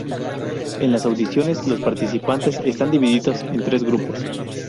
En las audiciones, los participantes están divididos en tres grupos.